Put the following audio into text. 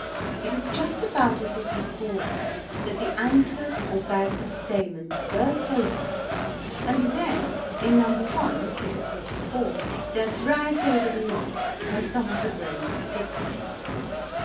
It is just about as it is falling that the anthers or bags of stamens burst open, and then, in No. 1 (Fig. 44), they are dragged over the knob and some of the grains stick there.